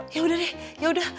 ya udah deh ya udah